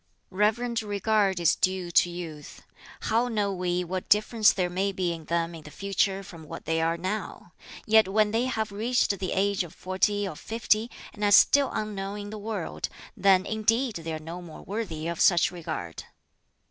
"Reverent regard is due to youth. How know we what difference there may be in them in the future from what they are now? Yet when they have reached the age of forty or fifty, and are still unknown in the world, then indeed they are no more worthy of such regard.